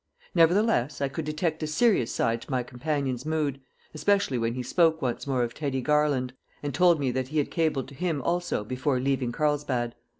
Nevertheless I could detect a serious side to my companion's mood, especially when he spoke once more of Teddy Garland, and told me that he had cabled to him also before leaving Carlsbad.